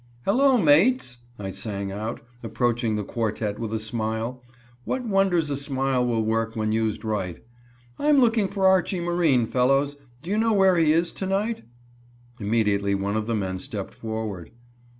"Hello, mates!" I sang out, approaching the quartet with a smile what wonders a smile will work when used right "I'm looking for Archie Marine, fellows. Do you know where he is to night?" Immediately one of the men stepped forward.